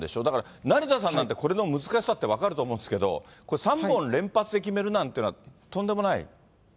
だから成田さんなんてこれの難しさって分かると思うんですけど、これ、３本連続で決めるのって、とんでもない？